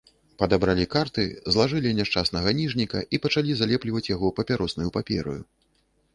Падабралі карты, злажылі няшчаснага ніжніка і пачалі злепліваць яго папяроснаю папераю.